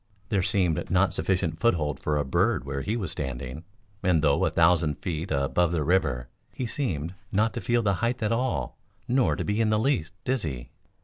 There seemed not sufficient foothold for a bird where he was standing, and though a thousand feet above the river, he seemed not to feel the height at all nor to be in the least dizzy.